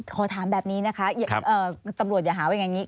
ขอถามแบบนี้นะคะตำรวจอย่าหาว่าอย่างนี้